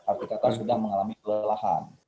arti kata sedang mengalami kelelahan